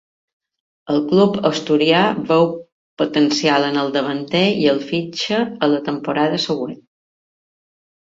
El club asturià veu potencial en el davanter i el fitxa a la temporada següent.